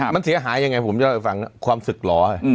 มันเสียหายยังไงผมจะเล่าให้ฟังความศึกหรอ